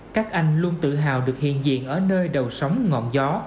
các anh luôn tự hào được hiện diện ở nơi đầu sóng ngọn gió